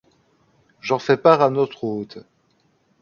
J’en fais part à notre hôte.